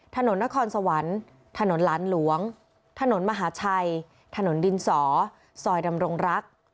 ถนนนครสวรรค์ถนนหลานหลวงถนนมหาชัยถนนดินสอซอยดำรงรัก